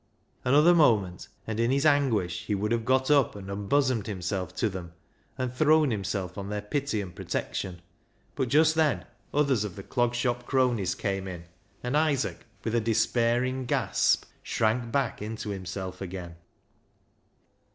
Another moment, and in his anguish he would have got up and unbosomed himself to them, and thrown himself on their pity and protection ; but just then others of the Clog Shop cronies came in, and Isaac, with a despairing gasp, shrank back into himself again.